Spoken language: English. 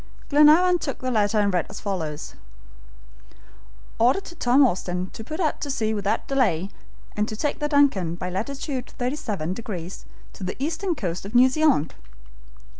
Glenarvan took the letter and read as follows: "Order to Tom Austin to put out to sea without delay, and to take the Duncan, by latitude 37 degrees to the eastern coast of New Zealand!"